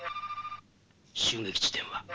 襲撃地点は？